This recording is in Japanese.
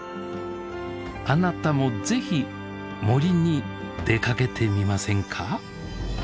あなたもぜひ森に出かけてみませんか。